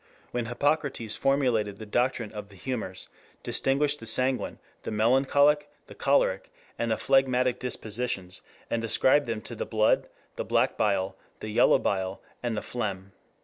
when Hippocrates formulated the doctrine of the humors, distinguished the sanguine, the melancholic, the choleric, and the phlegmatic dispositions, and ascribed them to the blood, the black bile, the yellow bile, and the phlegm.